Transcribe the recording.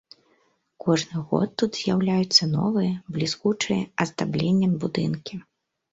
Кожны год тут з'яўляюцца новыя, бліскучыя аздабленнем будынкі.